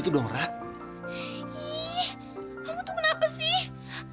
aku tuh kenapa sih